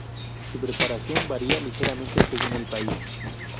Su preparación varía ligeramente según el país.